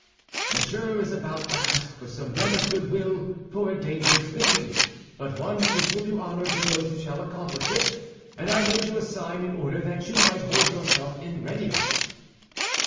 "Monsieur is about to ask for some men of good will for a dangerous mission, but one which will do honor to those who shall accomplish it; and I made you a sign in order that you might hold yourself in readiness."